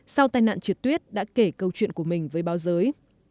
sau tai nạn triệt tuyết đã kể câu chuyện của mình với báo giới